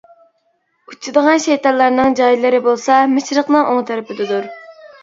ئۇچىدىغان شەيتانلارنىڭ جايلىرى بولسا مەشرىقنىڭ ئوڭ تەرىپىدىدۇر.